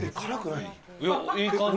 いや、いい感じ。